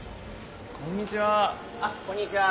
こんにちは。